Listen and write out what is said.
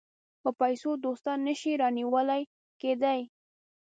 په پیسو دوستان نه شي رانیول کېدای.